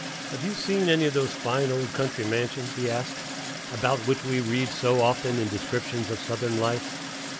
"Have you seen any of those fine old country mansions," he asked, "about which we read so often in descriptions of Southern, life?"